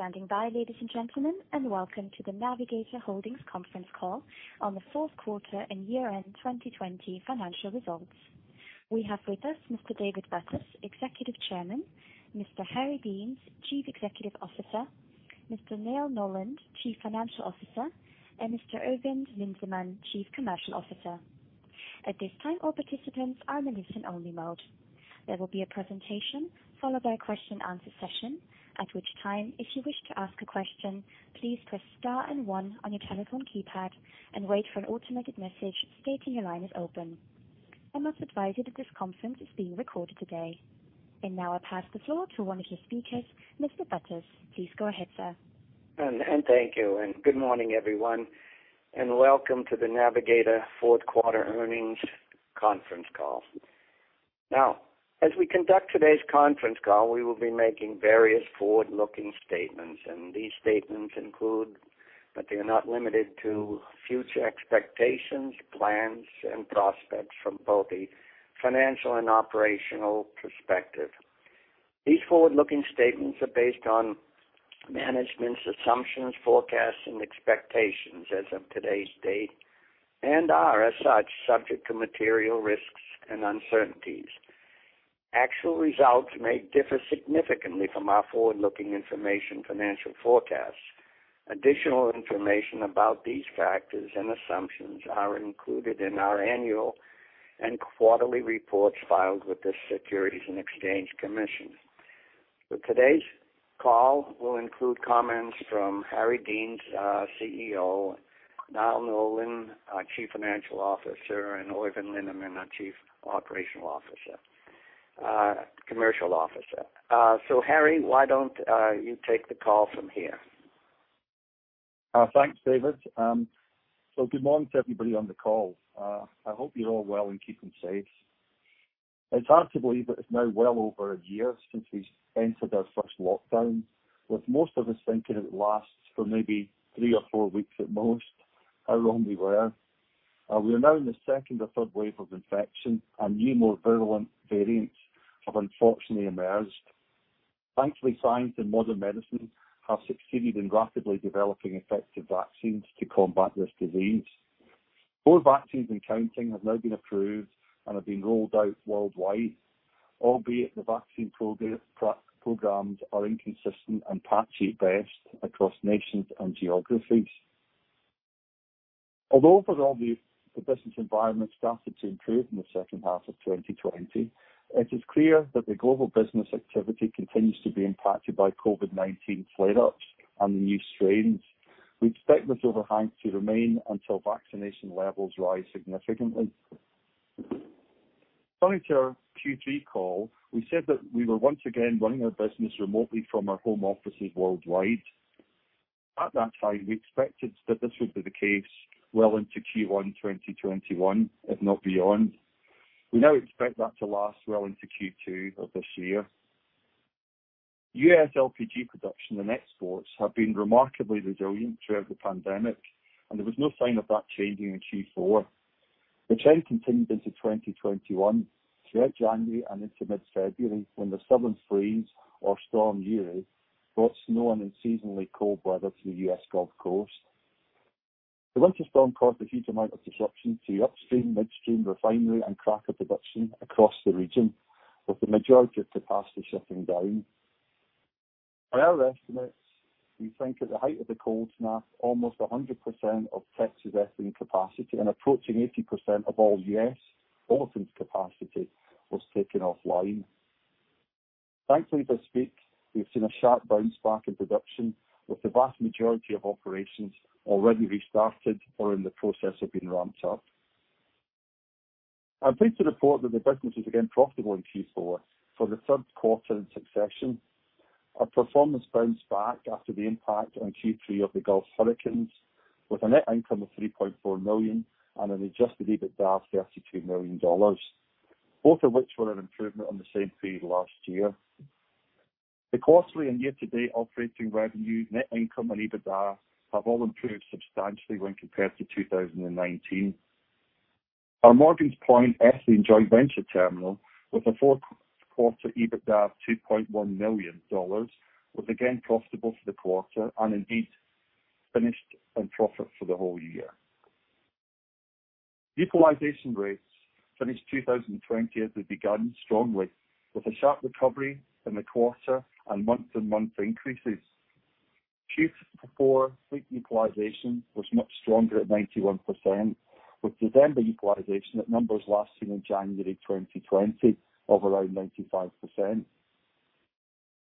Thank you for standing by, ladies and gentlemen, welcome to the Navigator Holdings conference call on the fourth quarter and year-end 2020 financial results. We have with us Mr. David Butters, Executive Chairman, Mr. Harry Deans, Chief Executive Officer, Mr. Niall Nolan, Chief Financial Officer, and Mr. Oeyvind Lindeman, Chief Commercial Officer. At this time, all participants are in listen only mode. There will be a presentation followed by a question and answer session, at which time, if you wish to ask a question, please press star and one on your telephone keypad, and wait for automated message stating your line is open. I must advise you that this conference is being recorded today. I now pass the floor to one of your speakers, Mr. Butters. Please go ahead, sir. Thank you, and good morning, everyone, and welcome to the Navigator fourth quarter earnings conference call. As we conduct today's conference call, we will be making various forward-looking statements, and these statements include, but they are not limited to, future expectations, plans, and prospects from both a financial and operational perspective. These forward-looking statements are based on management's assumptions, forecasts, and expectations as of today's date and are, as such, subject to material risks and uncertainties. Actual results may differ significantly from our forward-looking information financial forecasts. Additional information about these factors and assumptions are included in our annual and quarterly reports filed with the Securities and Exchange Commission. Today's call will include comments from Harry Deans, CEO, Niall Nolan, our Chief Financial Officer, and Oeyvind Lindeman, our Chief Commercial Officer. Harry, why don't you take the call from here? Thanks, David. Good morning to everybody on the call. I hope you're all well and keeping safe. It's hard to believe that it's now well over a year since we entered our first lockdown, with most of us thinking it would last for maybe three or four weeks at most. How wrong we were. We are now in the second or third wave of infection. A new, more virulent variant have unfortunately emerged. Thankfully, science and modern medicine have succeeded in rapidly developing effective vaccines to combat this disease. Four vaccines and counting have now been approved and have been rolled out worldwide, albeit the vaccine programs are inconsistent and patchy at best across nations and geographies. Although for the business environment started to improve in the second half of 2020, it is clear that the global business activity continues to be impacted by COVID-19 flare-ups and the new strains. We expect this overhang to remain until vaccination levels rise significantly. Coming to our Q3 call, we said that we were once again running our business remotely from our home offices worldwide. At that time, we expected that this would be the case well into Q1 2021, if not beyond. We now expect that to last well into Q2 of this year. U.S. LPG production and exports have been remarkably resilient throughout the pandemic, and there was no sign of that changing in Q4. The trend continued into 2021, throughout January and into mid-February, when the southern freeze or Storm Uri brought snow and unseasonably cold weather to the U.S. Gulf Coast. The winter storm caused a huge amount of disruption to upstream, midstream, refinery, and cracker production across the region, with the majority of capacity shutting down. By our estimates, we think at the height of the cold snap, almost 100% of Texas ethylene capacity and approaching 80% of all U.S. olefins capacity was taken offline. Thankfully, this week, we've seen a sharp bounce back in production, with the vast majority of operations already restarted or in the process of being ramped up. I'm pleased to report that the business is again profitable in Q4 for the third quarter in succession. Our performance bounced back after the impact on Q3 of the Gulf hurricanes, with a net income of $3.4 million and an adjusted EBITDA of $32 million, both of which were an improvement on the same period last year. The quarterly and year-to-date operating revenue, net income, and EBITDA have all improved substantially when compared to 2019. Our Morgan's Point ethylene joint venture terminal, with a fourth quarter EBITDA of $2.1 million, was again profitable for the quarter and indeed finished in profit for the whole year. Utilization rates finished 2020 as we began strongly, with a sharp recovery in the quarter and month-to-month increases. Q4 fleet utilization was much stronger at 91%, with December utilization at numbers last seen in January 2020 of around 95%.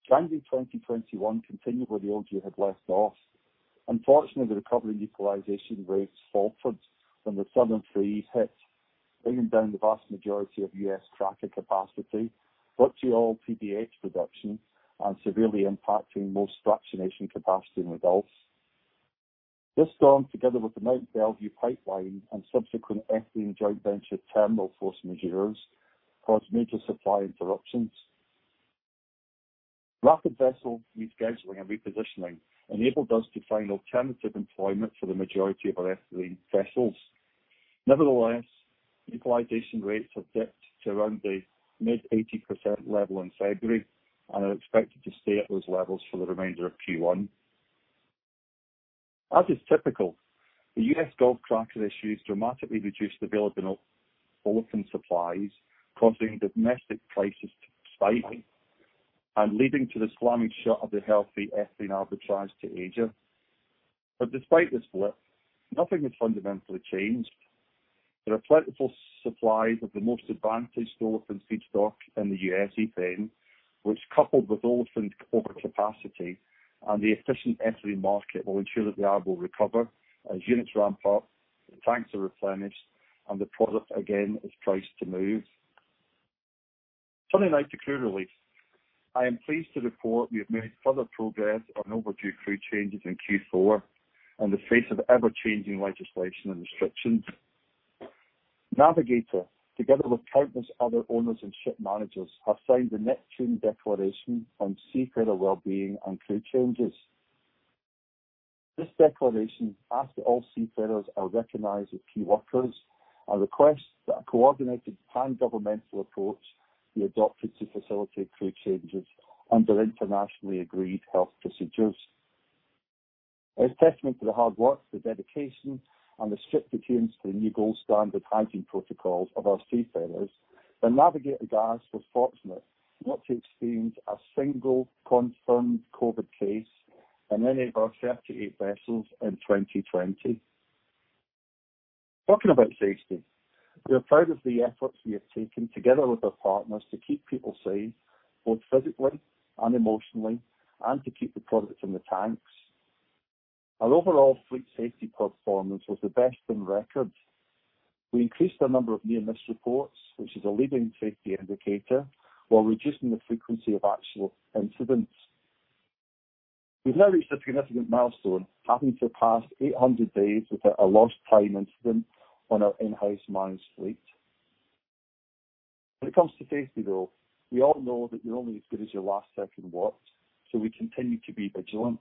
January 2021 continued where the old year had left off. Unfortunately, the recovery utilization rates faltered when the southern freeze hit, bringing down the vast majority of U.S. cracker capacity, virtual PDH production, and severely impacting most fractionation capacity in the Gulf. This storm, together with the Mont Belvieu pipeline and subsequent ethylene joint venture terminal force majeures, caused major supply interruptions. Rapid vessel rescheduling and repositioning enabled us to find alternative employment for the majority of our ethylene vessels. Nevertheless, utilization rates have dipped to around the mid-80% level in February and are expected to stay at those levels for the remainder of Q1. As is typical, the U.S. Gulf cracker issues dramatically reduced available olefin supplies, causing domestic prices to spike and leading to the slamming shut of the healthy ethylene arbitrage to Asia. Despite this blip, nothing has fundamentally changed. There are plentiful supplies of the most advantaged olefin feedstock in the U.S., ethane, which coupled with olefin overcapacity and the efficient ethylene market, will ensure that the arb will recover as units ramp up, the tanks are replenished, and the product again is priced to move. Turning now to crew release. I am pleased to report we have made further progress on overdue crew changes in Q4 in the face of ever-changing legislation and restrictions. Navigator, together with countless other owners and ship managers, have signed the Neptune Declaration on Seafarer Wellbeing and Crew Changes. This declaration asks that all seafarers are recognized as key workers and requests that a coordinated pan-governmental approach be adopted to facilitate crew changes under internationally agreed health procedures. As testament to the hard work, the dedication, and the strict adherence to the new gold standard hygiene protocols of our seafarers, the Navigator Gas was fortunate not to experience a single confirmed COVID case in any of our 38 vessels in 2020. Talking about safety, we are proud of the efforts we have taken together with our partners to keep people safe, both physically and emotionally, and to keep the product in the tanks. Our overall fleet safety performance was the best on record. We increased our number of near-miss reports, which is a leading safety indicator, while reducing the frequency of actual incidents. We've now reached a significant milestone, having surpassed 800 days without a lost time incident on our in-house managed fleet. When it comes to safety, though, we all know that you're only as good as your last set of works. We continue to be vigilant.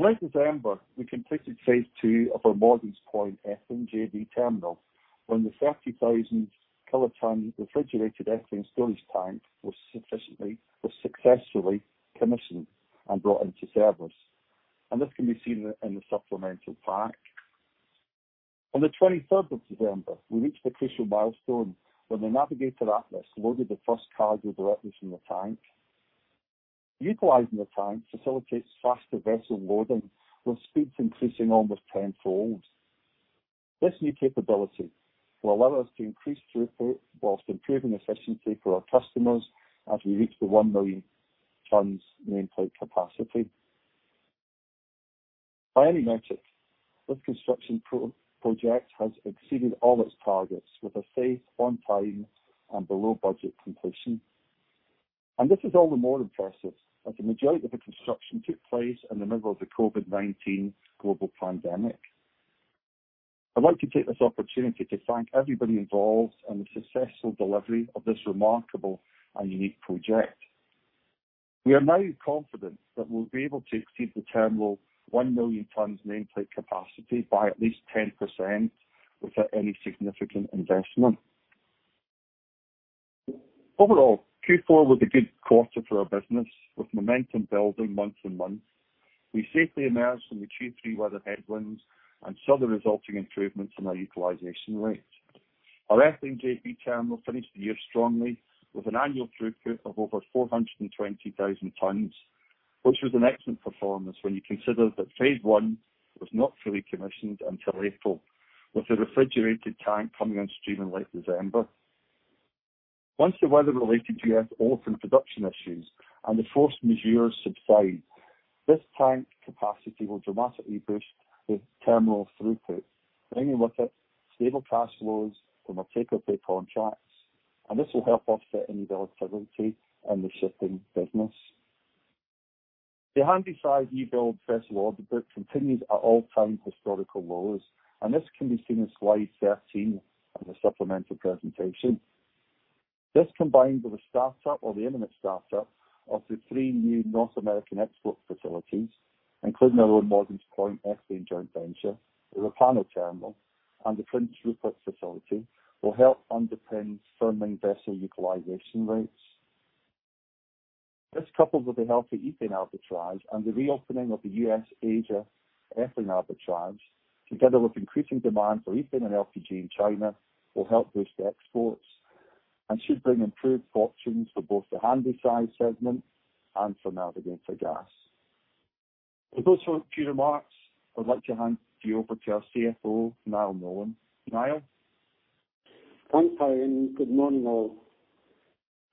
In late December, we completed Phase 2 of our Morgan's Point ethylene JV terminal, when the 30,000 kt refrigerated ethylene storage tank was successfully commissioned and brought into service. This can be seen in the supplemental pack. On the 23rd of December, we reached a crucial milestone when the Navigator Atlas loaded the first cargo directly from the tank. Utilizing the tank facilitates faster vessel loading, with speeds increasing almost tenfold. This new capability will allow us to increase throughput whilst improving efficiency for our customers as we reach the 1 million tons nameplate capacity. By any metric, this construction project has exceeded all its targets with a safe, on time, and below budget completion. This is all the more impressive as the majority of the construction took place in the middle of the COVID-19 global pandemic. I'd like to take this opportunity to thank everybody involved in the successful delivery of this remarkable and unique project. We are now confident that we'll be able to exceed the terminal 1 million tons nameplate capacity by at least 10% without any significant investment. Overall, Q4 was a good quarter for our business, with momentum building month-on-month. We safely emerged from the Q3 weather headwinds and saw the resulting improvements in our utilization rate. Our ethylene JV terminal finished the year strongly with an annual throughput of over 420,000 tons, which was an excellent performance when you consider that Phase 1 was not fully commissioned until April, with the refrigerated tank coming on stream in late December. Once the weather-related U.S. olefin production issues and the force majeure subside, this tank capacity will dramatically boost the terminal throughput, bringing with it stable cash flows from our take-or-pay contracts, and this will help offset any volatility in the shipping business. The handysize newbuild vessel order book continues at all-time historical lows, and this can be seen as slide 13 in the supplemental presentation. This, combined with the startup or the imminent startup of the three new North American export facilities, including our own Morgan's Point ethylene joint venture, the Repauno terminal, and the Prince Rupert facility, will help underpin firming vessel utilization rates. This, coupled with the healthy ethane arbitrage and the reopening of the U.S.-Asia ethane arbitrage, together with increasing demand for ethane and LPG in China, will help boost exports and should bring improved fortunes for both the handysize segment and for Navigator Gas. With those few remarks, I'd like to hand you over to our CFO, Niall Nolan. Niall? Thanks, Harry, and good morning, all.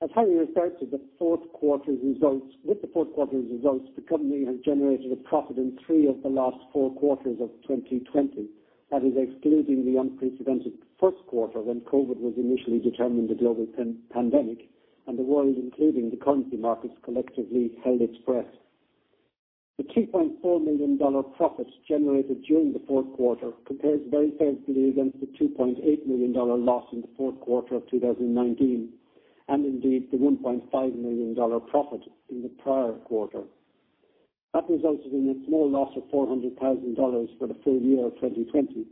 As Harry has started, with the fourth quarter's results, the company has generated a profit in three of the last four quarters of 2020. That is excluding the unprecedented first quarter, when COVID was initially determined a global pandemic and the world, including the currency markets, collectively held its breath. The $2.4 million profit generated during the fourth quarter compares very favorably against the $2.8 million loss in the fourth quarter of 2019, and indeed, the $1.5 million profit in the prior quarter. That resulted in a small loss of $400,000 for the full year of 2020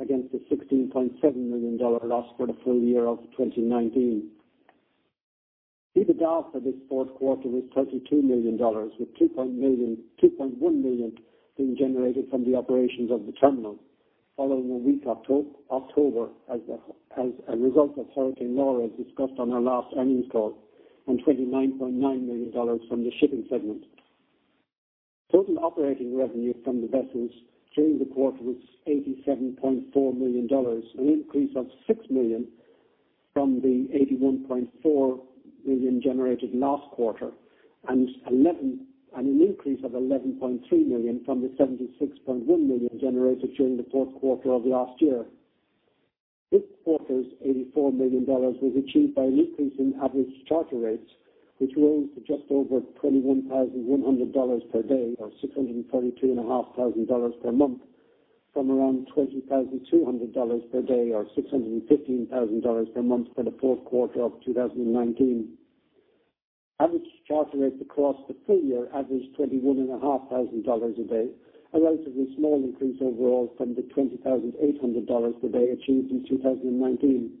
against a $16.7 million loss for the full year of 2019. EBITDA for this fourth quarter was $32 million, with $2.1 million being generated from the operations of the terminal following a weak October as a result of Hurricane Laura, as discussed on our last earnings call, and $29.9 million from the shipping segment. Total operating revenue from the vessels during the quarter was $87.4 million, an increase of $6 million from the $81.4 million generated last quarter, and an increase of $11.3 million from the $76.1 million generated during the fourth quarter of last year. This quarter's $84 million was achieved by an increase in average charter rates, which rose to just over $21,100 per day or $632,500 per month, from around $20,200 per day or $615,000 per month for the fourth quarter of 2019. Average charter rates across the full year averaged $21,500 a day, a relatively small increase overall from the $20,800 per day achieved in 2019.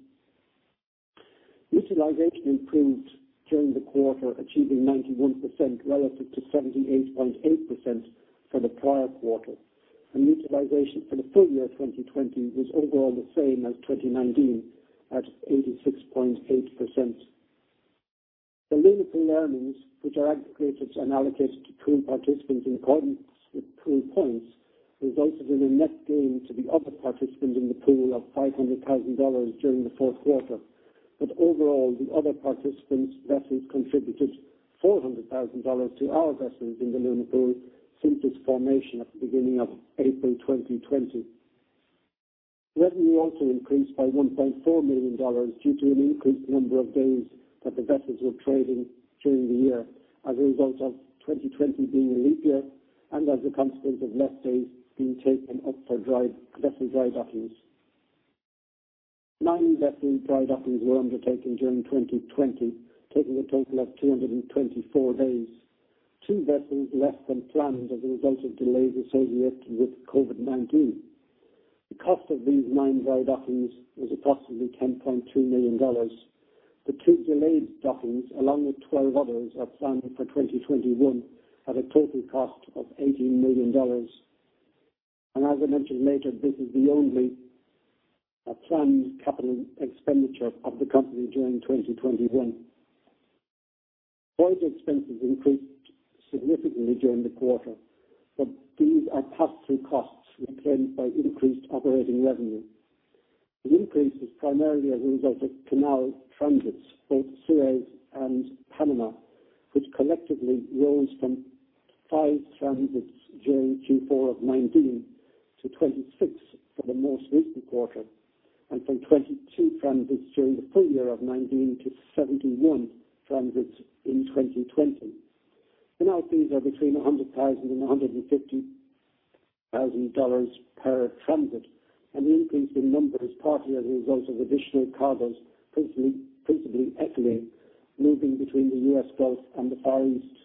Utilization improved during the quarter, achieving 91% relative to 78.8% for the prior quarter, and utilization for the full year 2020 was overall the same as 2019 at 86.8%. The Luna Pool earnings, which are aggregated and allocated to pool participants in accordance with pool points, resulted in a net gain to the other participants in the pool of $500,000 during the fourth quarter. Overall, the other participants' vessels contributed $400,000 to our vessels in the Luna Pool since its formation at the beginning of April 2020. Revenue also increased by $1.4 million due to an increased number of days that the vessels were trading during the year as a result of 2020 being a leap year and as a consequence of less days being taken up for vessel dry dockings. Nine vessel dry dockings were undertaken during 2020, taking a total of 224 days. Two vessels less than planned as a result of delays associated with COVID-19. The cost of these nine dry dockings was approximately $10.2 million. The two delayed dockings, along with 12 others, are planned for 2021 at a total cost of $18 million. As I mentioned later, this is the only planned capital expenditure of the company during 2021. Voyage expenses increased significantly during the quarter, but these are pass-through costs reclaimed by increased operating revenue. The increase is primarily a result of canal transits, both Suez and Panama, which collectively rose from five transits during Q4 of 2019 to 26 for the most recent quarter, and from 22 transits during the full year of 2019 to 71 transits in 2020. Canal fees are between $100,000 and $150,000 per transit, an increase in number is partly as a result of additional cargoes, principally ethylene, moving between the U.S. Gulf and the Far East.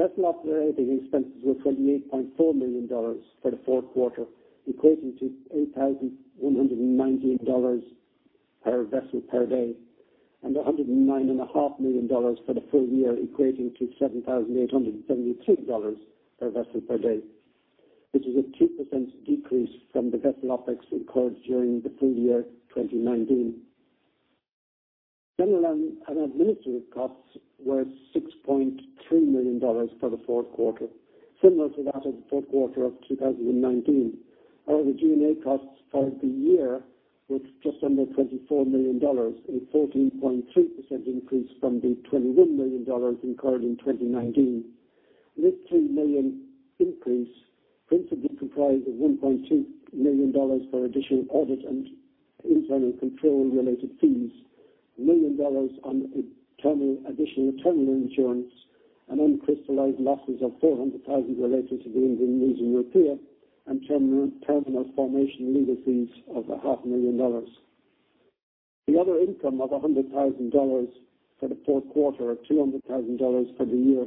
Vessel operating expenses were $28.4 million for the fourth quarter, equating to $8,119 per vessel per day, and $109.5 million for the full year, equating to $7,872 per vessel per day, which is a 2% decrease from the vessel OpEx incurred during the full year 2019. General and administrative costs were $6.3 million for the fourth quarter, similar to that of the fourth quarter of 2019. G&A costs for the year was just under $24 million, a 14.3% increase from the $21 million incurred in 2019. This $3 million increase principally comprised of $1.2 million for additional audit and internal control-related fees, $1 million on additional terminal insurance, and uncrystallized losses of $400,000 related to the Indonesian Rupiah and terminal formation legal fees of $500,000. The other income of $100,000 for the fourth quarter and $200,000 for the year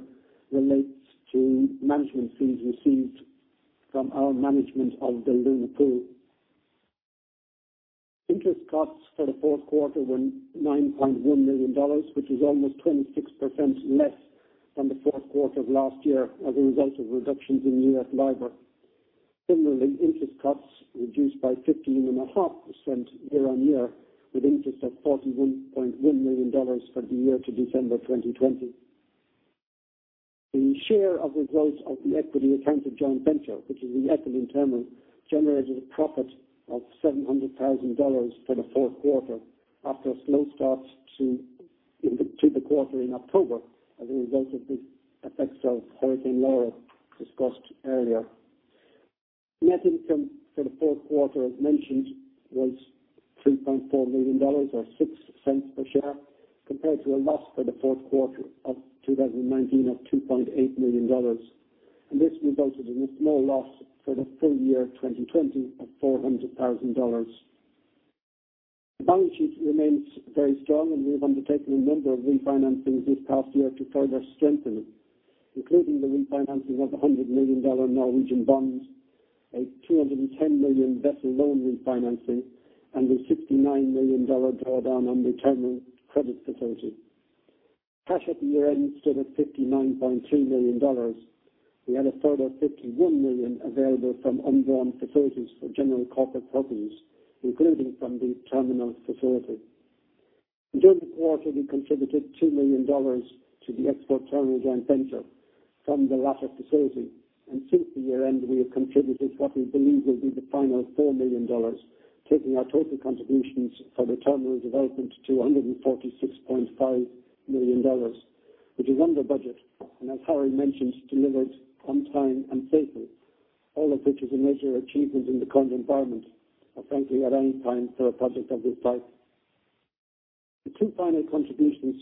relates to management fees received from our management of the Luna Pool. Interest costs for the fourth quarter were $9.1 million, which is almost 26% less than the fourth quarter of last year as a result of reductions in US LIBOR. Similarly, interest costs reduced by 15.5% year-on-year, with interest of $41.1 million for the year to December 2020. The share of the results of the equity account of joint venture, which is the ethylene terminal, generated a profit of $700,000 for the fourth quarter after a slow start to the quarter in October as a result of the effects of Hurricane Laura discussed earlier. Net income for the fourth quarter, as mentioned, was $3.4 million, or $0.06 per share, compared to a loss for the fourth quarter of 2019 of $2.8 million. This resulted in a small loss for the full year 2020 of $400,000. The balance sheet remains very strong. We have undertaken a number of refinancings this past year to further strengthen it, including the refinancing of the $100 million Norwegian bonds, a $210 million vessel loan refinancing, and a $69 million draw down on the terminal credit facility. Cash at the year-end stood at $59.3 million. We had a further $51 million available from undrawn facilities for general corporate purposes, including from the terminal facility. During the quarter, we contributed $2 million to the export terminal joint venture from the latter facility, and since the year-end, we have contributed what we believe will be the final $4 million, taking our total contributions for the terminal development to $146.5 million, which is under budget, and as Harry mentioned, delivered on time and safely, all of which is a major achievement in the current environment, or frankly, at any time for a project of this type. The two final contributions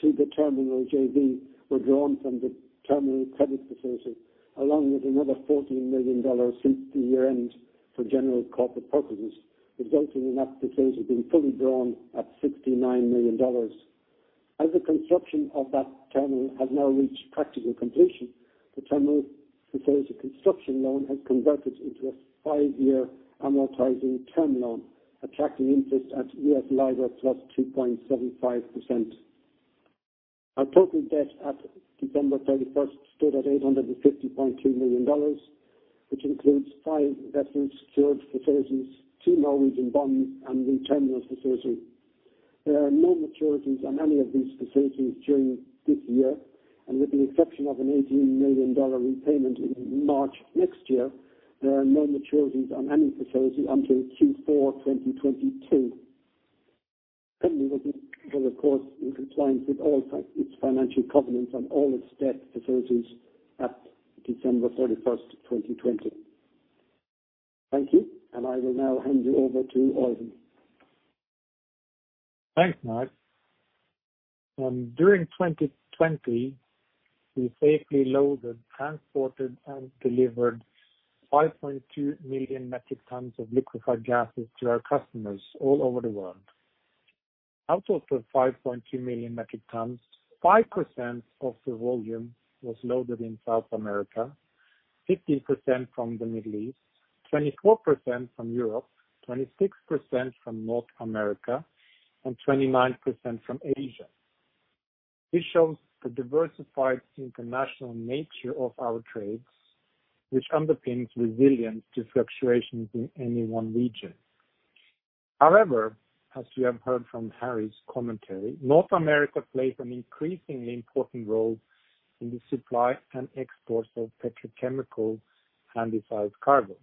to the terminal JV were drawn from the terminal credit facility, along with another $14 million since the year-end for general corporate purposes, resulting in that facility being fully drawn at $69 million. As the construction of that terminal has now reached practical completion, the terminal facility construction loan has converted into a five-year amortizing term loan, attracting interest at US LIBOR plus 2.75%. Our total debt at December 31st stood at $850.3 million, which includes five vessel-secured facilities, two Norwegian bonds, and the terminal facility. There are no maturities on any of these facilities during this year. With the exception of an $18 million repayment in March next year, there are no maturities on any facility until Q4 2022. The company was, of course, in compliance with all its financial covenants on all its debt facilities at December 31st, 2020. Thank you. I will now hand you over to Oeyvind. Thanks, Niall. During 2020, we safely loaded, transported, and delivered 5.2 million metric tons of liquefied gases to our customers all over the world. Out of the 5.2 million metric tons, 5% of the volume was loaded in South America, 15% from the Middle East, 24% from Europe, 26% from North America, and 29% from Asia. This shows the diversified international nature of our trades, which underpins resilience to fluctuations in any one region. As you have heard from Harry's commentary, North America plays an increasingly important role in the supply and exports of petrochemical handysize cargoes.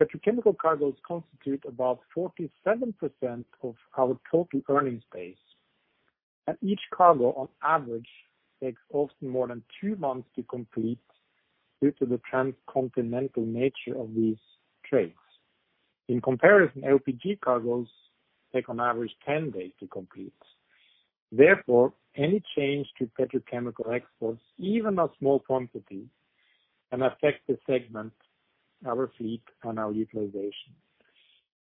Petrochemical cargoes constitute about 47% of our total earnings base, and each cargo, on average, takes often more than two months to complete due to the transcontinental nature of these trades. In comparison, LPG cargoes take on average 10 days to complete. Therefore, any change to petrochemical exports, even a small quantity, can affect the segment, our fleet, and our utilization.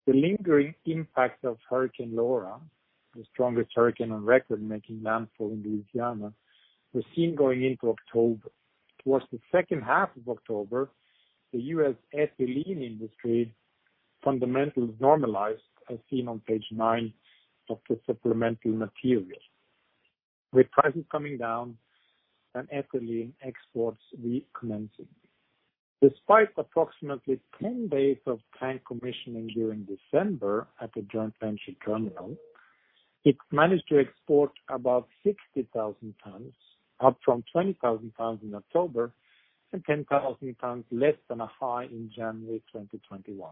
The lingering impact of Hurricane Laura, the strongest hurricane on record making landfall in Louisiana, was seen going into October. Towards the second half of October, the U.S. ethylene industry fundamentally normalized, as seen on page nine of the supplemental material, with prices coming down and ethylene exports recommencing. Despite approximately 10 days of plant commissioning during December at the joint venture terminal, it managed to export about 60,000 tons, up from 20,000 tons in October and 10,000 tons less than a high in January 2021.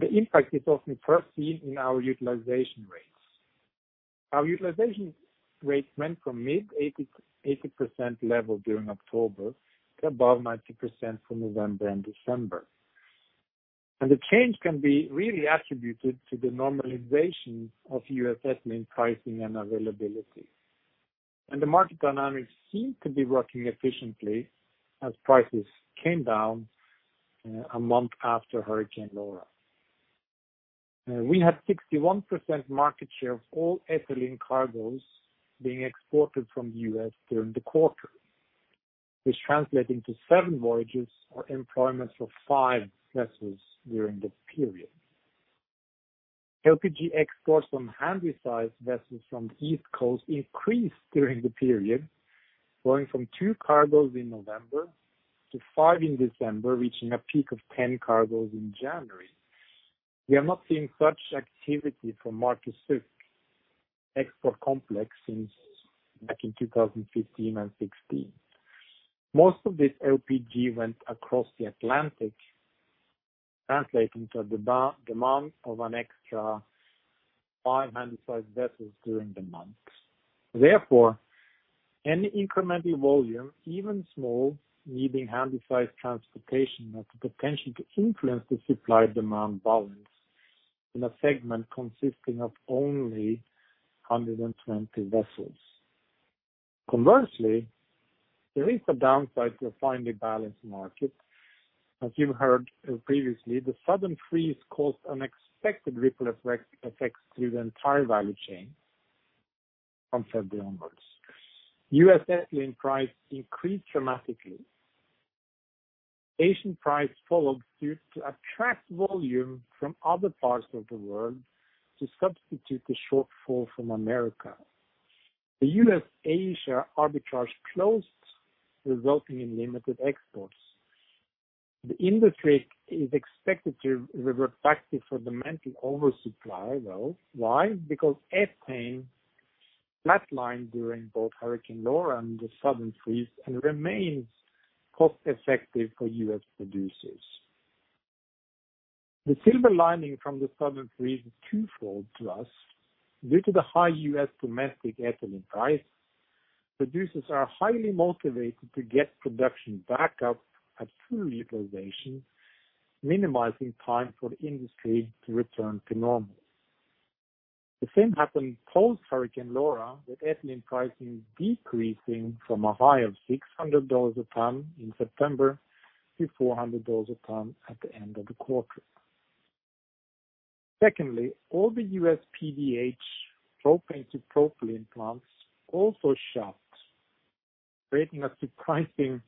The impact is often first seen in our utilization rates. Our utilization rates went from mid-80% level during October to above 90% for November and December. The change can be really attributed to the normalization of U.S. ethylene pricing and availability. The market dynamics seem to be working efficiently as prices came down a month after Hurricane Laura. We had 61% market share of all ethylene cargoes being exported from the U.S. during the quarter. This translates into seven voyages or employment for five vessels during the period. LPG exports from handysize vessels from the East Coast increased during the period, going from two cargoes in November to five in December, reaching a peak of 10 cargoes in January. We have not seen such activity from Marcus Hook export complex since back in 2015 and 2016. Most of this LPG went across the Atlantic, translating to a demand of an extra five handysize vessels during the month. Therefore, any incremental volume, even small, needing handysize transportation, has the potential to influence the supply-demand balance in a segment consisting of only 120 vessels. Conversely, there is a downside to a finely balanced market. As you heard previously, the southern freeze caused unexpected ripple effects through the entire value chain from February onwards. U.S. ethylene price increased dramatically. Asian price followed suit to attract volume from other parts of the world to substitute the shortfall from America. The U.S.-Asia arbitrage closed, resulting in limited exports. The industry is expected to revert back to fundamental oversupply. Well, why? Because ethane flat-lined during both Hurricane Laura and the southern freeze and remains cost-effective for U.S. producers. The silver lining from the southern freeze is twofold to us. Due to the high U.S. domestic ethylene price, producers are highly motivated to get production back up at full utilization, minimizing time for the industry to return to normal. The same happened post-Hurricane Laura, with ethylene pricing decreasing from a high of $600 a ton in September to $400 a ton at the end of the quarter. Secondly, all the U.S. PDH propane to propylene plants also shut, creating a surprising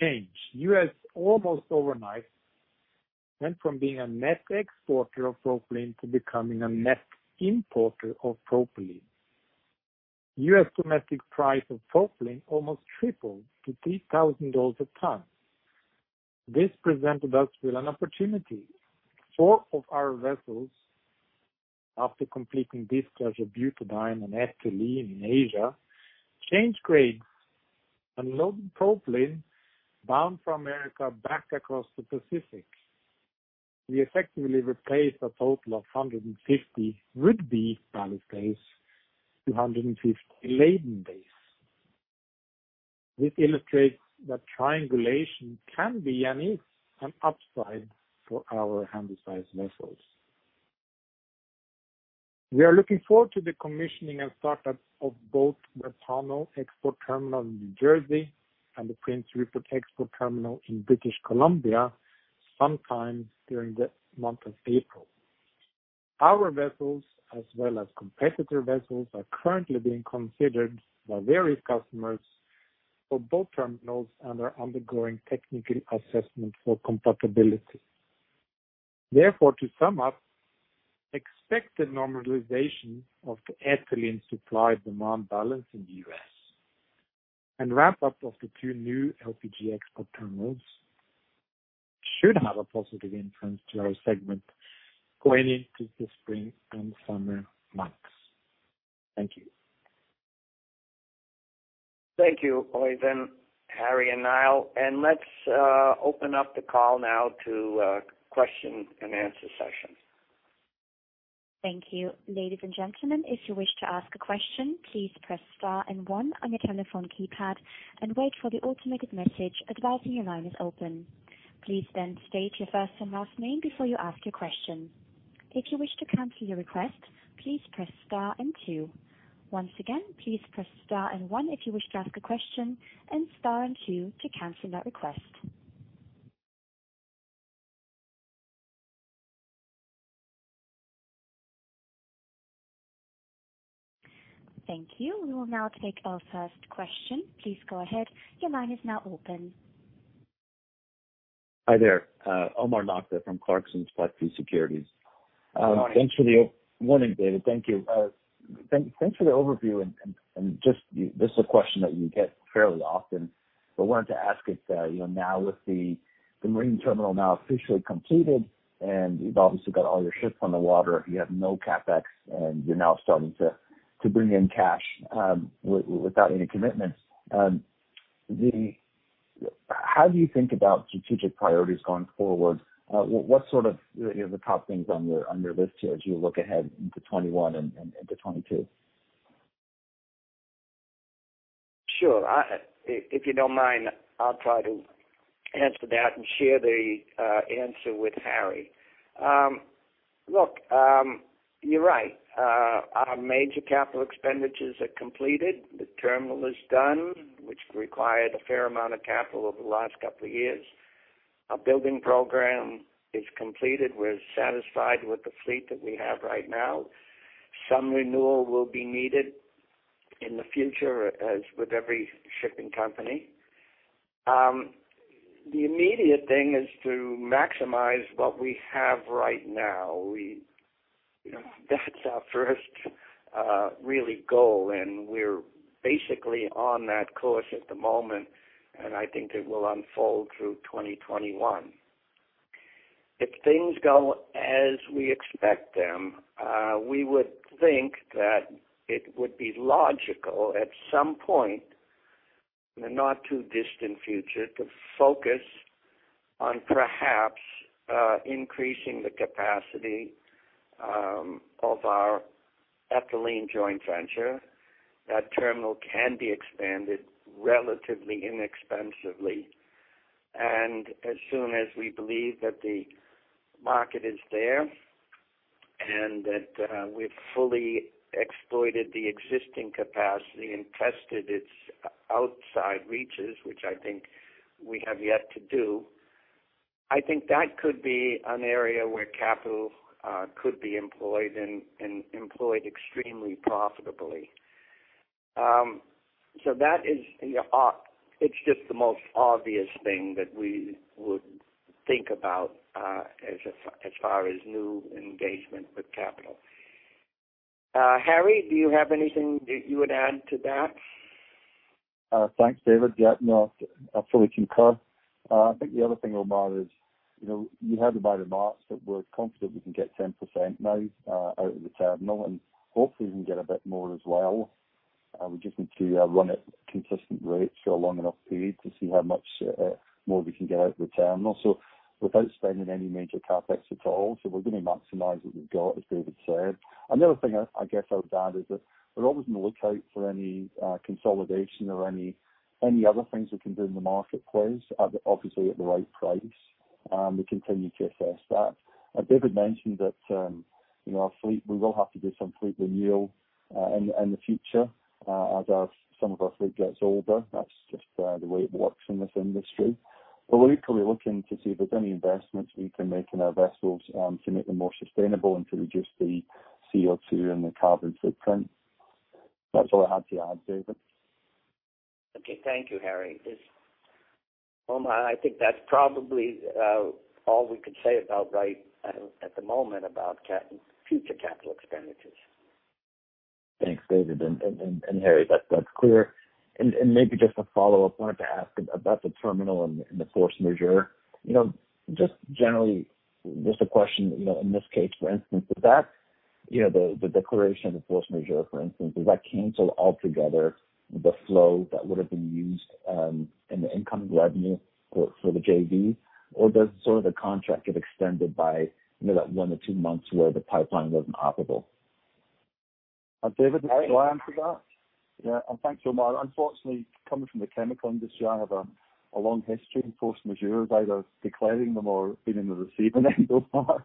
change. The U.S., almost overnight, went from being a net exporter of propylene to becoming a net importer of propylene. U.S. domestic price of propylene almost tripled to $3,000 a ton. This presented us with an opportunity. Four of our vessels, after completing discharge of butadiene and ethylene in Asia, changed grades and loaded propylene bound for America back across the Pacific. We effectively replaced a total of 150 would be ballast days to 150 laden days. This illustrates that triangulation can be, and is, an upside for our handysize vessels. We are looking forward to the commissioning and startup of both the Repauno export terminal in New Jersey and the Prince Rupert export terminal in British Columbia sometime during the month of April. Our vessels, as well as competitor vessels, are currently being considered by various customers for both terminals and are undergoing technical assessment for compatibility. To sum up, expected normalization of the ethylene supply-demand balance in the U.S. and wrap-up of the two new LPG export terminals should have a positive influence to our segment going into the spring and summer months. Thank you. Thank you, Oeyvind, Harry, and Niall. Let's open up the call now to a question-and-answer session. Thank you. Ladies and gentlemen, if you wish to ask a question, please press star and one on your telephone keypad and wait for the automated message advising your line is open. Please then state your first and last name before you ask your question. If you wish to cancel your request, please press star and two. Once again, please press star and one if you wish to ask a question and star and two to cancel that request. Thank you. We will now take our first question. Please go ahead. Your line is now open. Hi there. Omar Nokta from Clarksons Platou Securities. Morning. Morning, David. Thank you. Thanks for the overview, and this is a question that you get fairly often, but wanted to ask it. Now with the marine terminal now officially completed, and you've obviously got all your ships on the water, you have no CapEx, and you're now starting to bring in cash without any commitments, how do you think about strategic priorities going forward? What are the top things on your list here as you look ahead into 2021 and into 2022? Sure. If you don't mind, I'll try to answer that and share the answer with Harry. Look, you're right. Our major capital expenditures are completed. The terminal is done, which required a fair amount of capital over the last couple of years. Our building program is completed. We're satisfied with the fleet that we have right now. Some renewal will be needed in the future, as with every shipping company. The immediate thing is to maximize what we have right now. That's our first really goal, and we're basically on that course at the moment, and I think it will unfold through 2021. If things go as we expect them, we would think that it would be logical, at some point in the not-too-distant future, to focus on perhaps increasing the capacity of our ethylene joint venture. That terminal can be expanded relatively inexpensively. As soon as we believe that the market is there. That we've fully exploited the existing capacity and tested its outside reaches, which I think we have yet to do. I think that could be an area where capital could be employed and employed extremely profitably. It's just the most obvious thing that we would think about, as far as new engagement with capital. Harry, do you have anything that you would add to that? Thanks, David. Yeah, no, I fully concur. I think the other thing, Omar, is you heard in my remarks that we're confident we can get 10% now out of the terminal, hopefully we can get a bit more as well. We just need to run at consistent rates for a long enough period to see how much more we can get out of the terminal. Without spending any major CapEx at all, we're going to maximize what we've got, as David said. The other thing I guess I would add is that we're always on the lookout for any consolidation or any other things we can do in the marketplace, obviously at the right price. We continue to assess that. As David mentioned that our fleet, we will have to do some fleet renewal in the future as some of our fleet gets older. That's just the way it works in this industry. We're equally looking to see if there's any investments we can make in our vessels to make them more sustainable and to reduce the CO2 and the carbon footprint. That's all I had to add, David. Okay. Thank you, Harry. Well, I think that's probably all we could say about right at the moment about future capital expenditures. Thanks, David and Harry. That's clear. Maybe just a follow-up. Wanted to ask about the terminal and the force majeure. Just generally, just a question in this case, for instance, the declaration of force majeure, for instance, does that cancel altogether the flow that would have been used in the incoming revenue for the JV? Or does sort of the contract get extended by that one or two months where the pipeline wasn't operable? David, do you want me to answer that? Yeah. Thanks, Omar. Unfortunately, coming from the chemical industry, I have a long history in force majeure as either declaring them or being on the receiving end of them.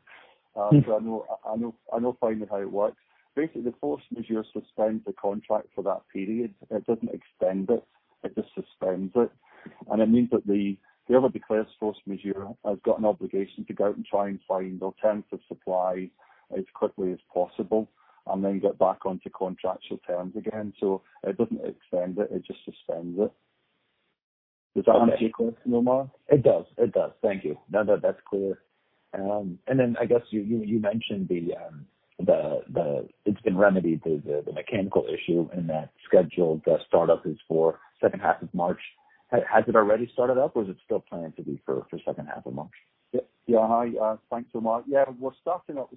I know, finally how it works. Basically, the force majeure suspends the contract for that period. It doesn't extend it just suspends it. It means that the whoever declares force majeure has got an obligation to go out and try and find alternative supplies as quickly as possible and then get back onto contractual terms again. It doesn't extend it just suspends it. Does that answer your question, Omar? It does. Thank you. No, that's clear. I guess you mentioned the, it's been remedied, the mechanical issue and that scheduled startup is for second half of March. Has it already started up, or is it still planned to be for second half of March? Yeah. Hi, thanks, Omar. Yeah, we're starting up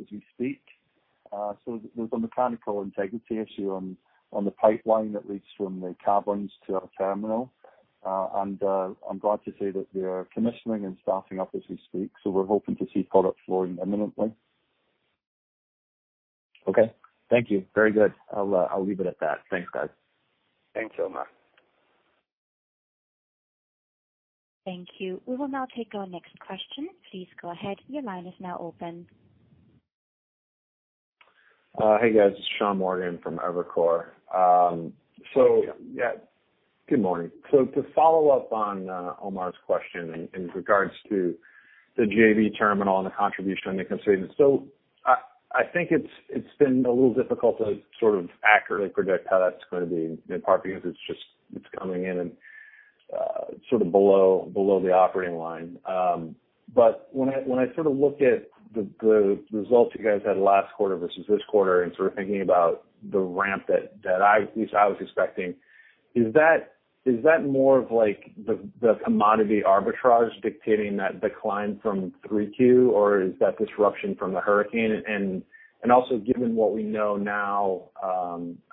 as we speak. There was a mechanical integrity issue on the pipeline that leads from the caverns to our terminal. I'm glad to say that we are commissioning and starting up as we speak. We're hoping to see product flowing imminently. Okay. Thank you. Very good. I'll leave it at that. Thanks, guys. Thanks, Omar. Thank you. We will now take our next question. Please go ahead. Your line is now open. Hey, guys, it's Sean Morgan from Evercore. Yeah. Good morning. To follow up on Omar's question in regards to the JV terminal and the contribution in the constraints. I think it's been a little difficult to sort of accurately predict how that's going to be, in part because it's just, it's coming in and sort of below the operating line. When I sort of look at the results you guys had last quarter versus this quarter and sort of thinking about the ramp that at least I was expecting, is that more of like the commodity arbitrage dictating that decline from 3Q, or is that disruption from the hurricane? Also given what we know now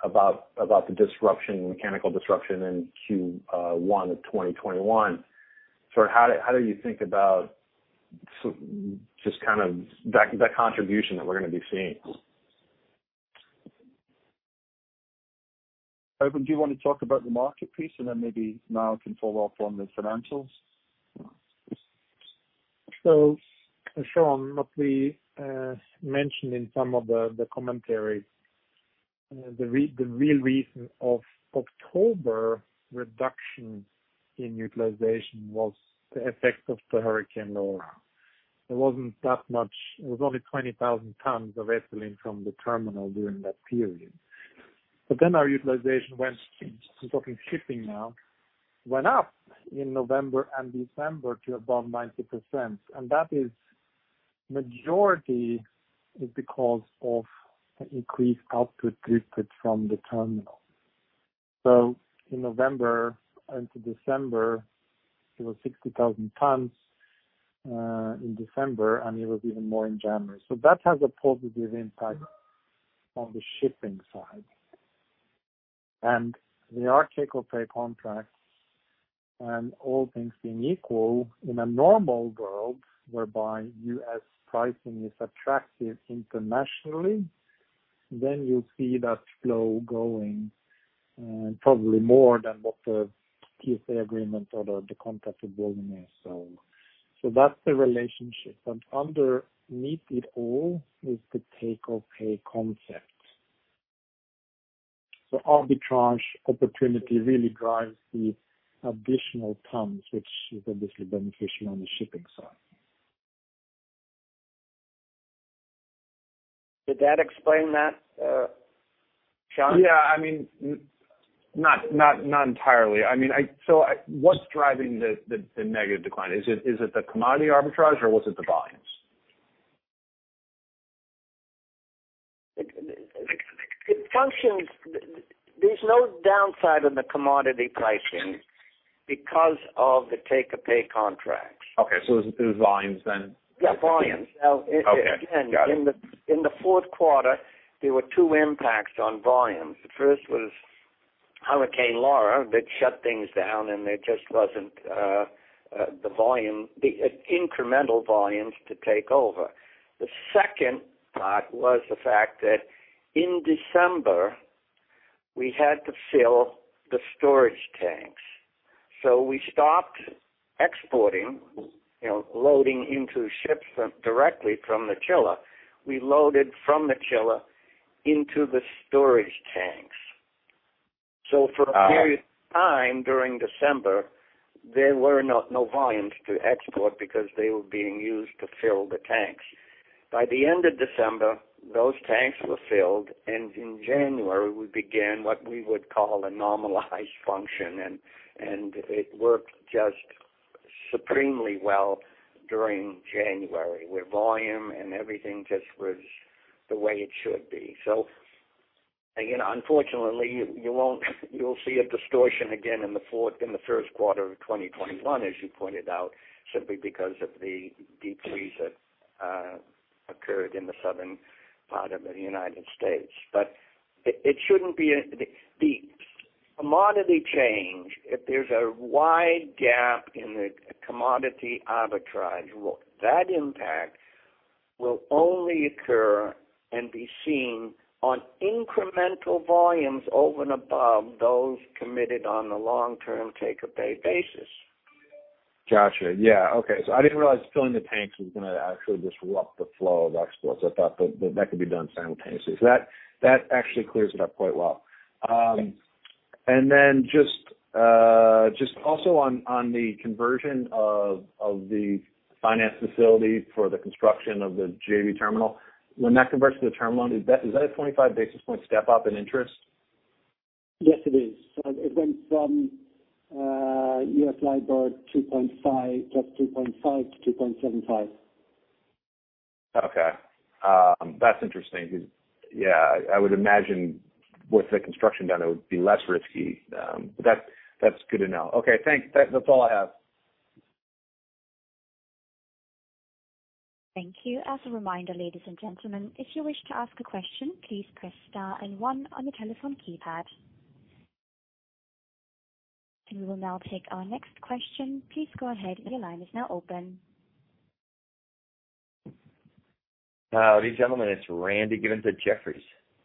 about the disruption, mechanical disruption in Q1 2021, sort of how do you think about just kind of that contribution that we're gonna be seeing? Oeyvind, do you want to talk about the market piece, and then maybe Niall can follow up on the financials? Sean, as we mentioned in some of the commentary, the real reason of October reduction in utilization was the effect of the Hurricane Laura. It was only 20,000 tons of ethylene from the terminal during that period. Our utilization, I'm talking shipping now, went up in November and December to above 90%. That is majority is because of increased output lifted from the terminal. In November into December, it was 60,000 tons in December, and it was even more in January. That has a positive impact on the shipping side. There are take-or-pay contracts and all things being equal in a normal world whereby U.S. pricing is attractive internationally. You see that flow going probably more than what the TSA agreement or the contract is building there. That's the relationship. Underneath it all is the take-or-pay concept. Arbitrage opportunity really drives the additional tons, which is obviously beneficial on the shipping side. Did that explain that, Sean? Yeah. Not entirely. What's driving the negative decline? Is it the commodity arbitrage, or was it the volumes? There's no downside on the commodity pricing because of the take-or-pay contracts. Okay. It was volumes then? Yeah, volumes. Okay. Got it. In the fourth quarter, there were two impacts on volumes. The first was Hurricane Laura, that shut things down, and there just wasn't incremental volumes to take over. The second part was the fact that in December, we had to fill the storage tanks. We stopped exporting, loading into ships directly from the chiller. We loaded from the chiller into the storage tanks. For a period of time during December, there were no volumes to export because they were being used to fill the tanks. By the end of December, those tanks were filled, and in January, we began what we would call a normalized function, and it worked just supremely well during January, where volume and everything just was the way it should be. Again, unfortunately, you'll see a distortion again in the first quarter of 2021, as you pointed out, simply because of the deep freeze that occurred in the southern part of the U.S. The commodity change, if there's a wide gap in the commodity arbitrage, that impact will only occur and be seen on incremental volumes over and above those committed on the long-term take-or-pay basis. Got you. Yeah. Okay. I didn't realize filling the tanks was going to actually disrupt the flow of exports. I thought that could be done simultaneously. That actually clears it up quite well. And then just also on the conversion of the finance facility for the construction of the JV terminal. When that converts to the term loan, is that a 25 basis point step up in interest? Yes, it is. It went from U.S. LIBOR +2.5% to 2.75%. Okay. That's interesting because, yeah, I would imagine with the construction done, it would be less risky. That's good to know. Okay, thanks. That's all I have. Thank you. As a reminder, ladies and gentlemen, if you wish to ask a question, please press star and one on your telephone keypad. We will now take our next question. Please go ahead. Your line is now open. Howdy, gentlemen. It's Randy Giveans at Jefferies.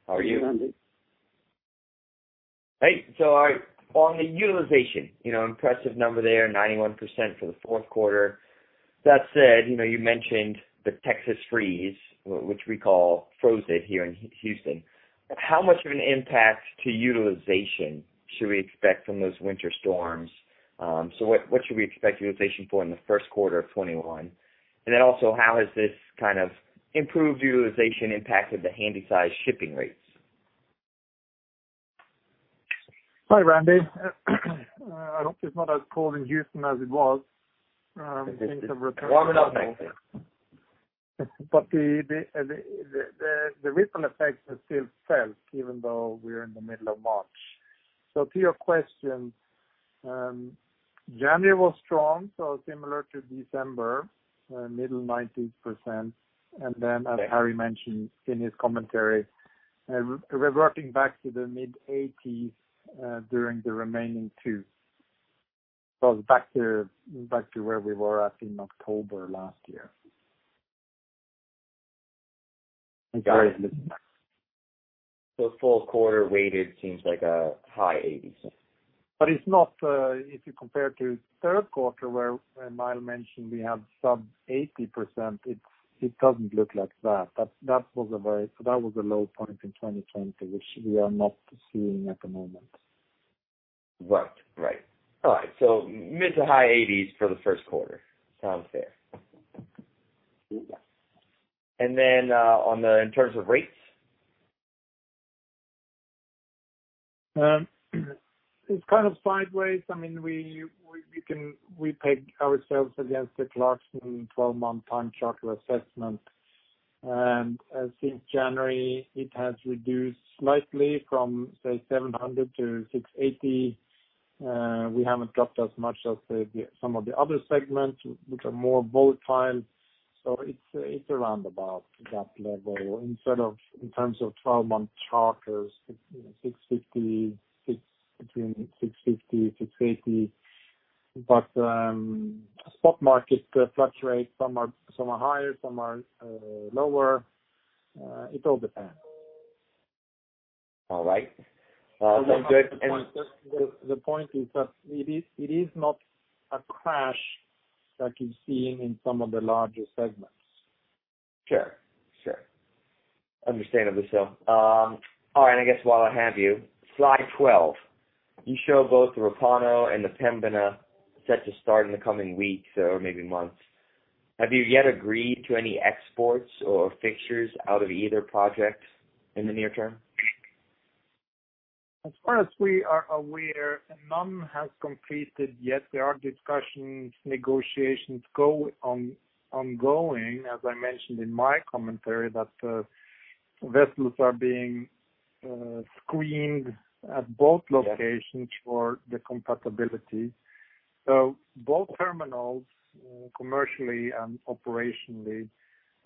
How are you? Hey, Randy. Hey. On the utilization, impressive number there, 91% for the fourth quarter. That said, you mentioned the Texas freeze, which we call froze-it here in Houston. How much of an impact to utilization should we expect from those winter storms? What should we expect utilization for in the first quarter of 2021? How has this kind of improved utilization impacted the handysize shipping rates? Hi, Randy. I hope it's not as cold in Houston as it was. It's warming up, thanks. The ripple effects are still felt, even though we're in the middle of March. To your question, January was strong, similar to December, middle 90%. Then as Harry mentioned in his commentary, reverting back to the mid-80s% during the remaining two. Back to where we were at in October last year. Got it. Full quarter weighted seems like a high 80s%. It's not if you compare to third quarter, where Niall mentioned we have sub 80%. It doesn't look like that. That was a low point in 2020, which we are not seeing at the moment. Right. All right. Mid to high 80s% for the first quarter. Sounds fair. Yeah. In terms of rates? It's kind of sideways. We peg ourselves against the Clarkson 12-month time charter assessment. Since January, it has reduced slightly from, say, $700 to $680. We haven't dropped as much as some of the other segments which are more volatile. It's around about that level. In terms of 12-month charters, between $650-$680. Spot markets fluctuate. Some are higher, some are lower. It all depends. All right. Sounds good. The point is that it is not a crash like you're seeing in some of the larger segments. Sure. Sure. Understandably so. All right, I guess while I have you, slide 12. You show both Repauno and the Pembina set to start in the coming weeks or maybe months. Have you yet agreed to any exports or fixtures out of either project in the near term? As far as we are aware, none has completed yet. There are discussions, negotiations ongoing, as I mentioned in my commentary, that vessels are being screened at both locations for the compatibility. Both terminals, commercially and operationally,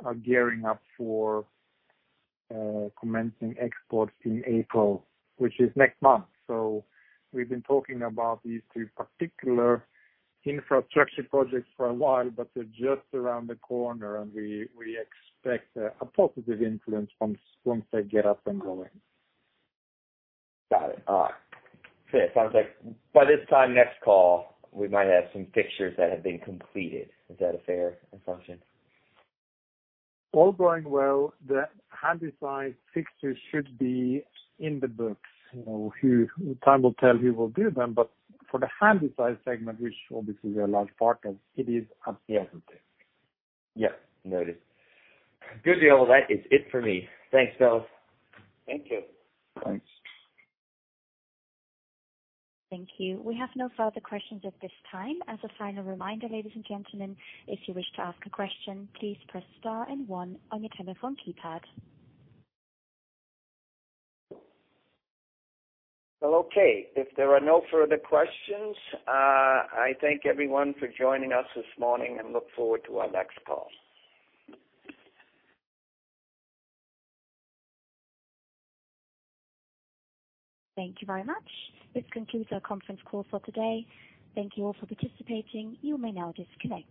are gearing up for commencing exports in April, which is next month. We've been talking about these two particular infrastructure projects for a while, but they're just around the corner, and we expect a positive influence once they get up and going. Got it. All right. It sounds like by this time next call, we might have some fixtures that have been completed. Is that a fair assumption? All going well, the handysize fixtures should be in the books. Time will tell who will do them, but for the handysize segment, which obviously is a large part of it is absolutely. Yep. Noted. Good deal. Well, that is it for me. Thanks, fellas. Thank you. Thanks. Thank you. We have no further questions at this time. As a final reminder, ladies and gentlemen, if you wish to ask a question, please press star and one on your telephone keypad. Okay. If there are no further questions, I thank everyone for joining us this morning and look forward to our next call. Thank you very much. This concludes our conference call for today. Thank you all for participating. You may now disconnect.